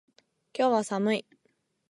今日は寒い